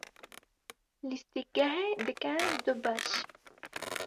Lîstikgehê dike du beş.